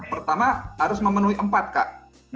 pertama harus memenuhi empat kak